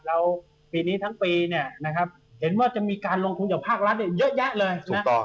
แล้วปีนี้ทั้งปีเนี่ยนะครับเห็นว่าจะมีการลงทุนจากภาครัฐเยอะแยะเลยนะ